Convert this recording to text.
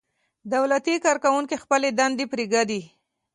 دولتي کارکوونکي خپلې دندې پرېږدي.